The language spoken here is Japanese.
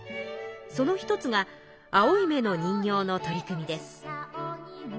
その一つが青い目の人形の取り組みです。